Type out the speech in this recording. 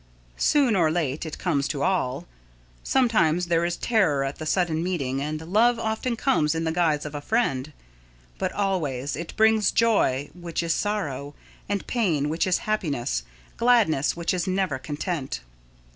Soon or late it comes to all. Sometimes there is terror at the sudden meeting and Love often comes in the guise of a friend. But always, it brings joy which is sorrow, and pain which is happiness gladness which is never content.